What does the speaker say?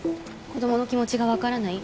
子供の気持ちがわからない？